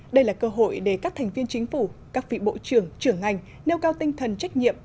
đây là cơ hội để các thành viên chính phủ các vị bộ trưởng trưởng ngành nêu cao tinh thần trách nhiệm